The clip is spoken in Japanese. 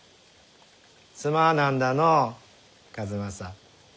すまなんだのう数正。